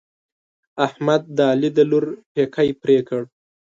احمد د علي د لور پېکی پرې کړ.